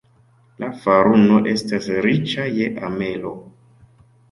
La faruno estas riĉa je amelo.